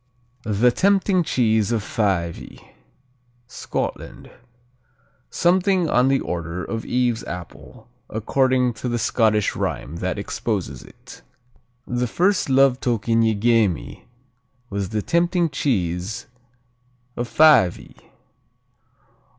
"The Tempting cheese of Fyvie" Scotland Something on the order of Eve's apple, according to the Scottish rhyme that exposes it: The first love token ye gae me Was the tempting cheese of Fyvie.